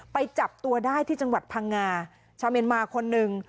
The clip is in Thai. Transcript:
ไปจับตัวได้ที่จังหวัดพังงาชาวเมียนมาคนหนึ่ง